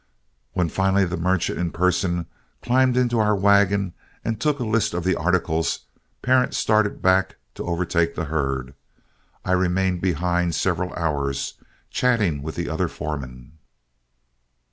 When finally the merchant in person climbed into our wagon and took a list of the articles, Parent started back to overtake the herd. I remained behind several hours, chatting with the other foremen.